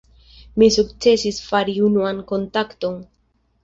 Mi sukcesis fari unuan kontakton.